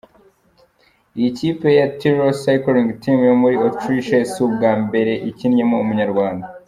Iyi kipe ya Tirol Cycling Team yo muri Autriche, si ubwa mbere ikinnyemo umunyarwanda.